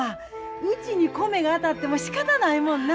うちに米が当たってもしかたないもんな。